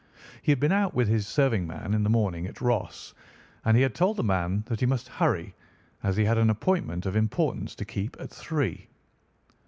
He had been out with his serving man in the morning at Ross, and he had told the man that he must hurry, as he had an appointment of importance to keep at three.